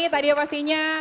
tadi ya pastinya